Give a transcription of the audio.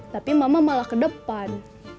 tapi mama malah ke depan